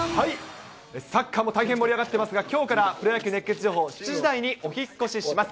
サッカーも大変盛り上がってますが、きょうから、プロ野球熱ケツ情報、７時台にお引越しします。